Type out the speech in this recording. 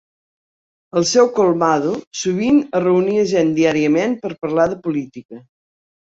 Al seu "colmado", sovint es reunia gent diàriament per parlar de política.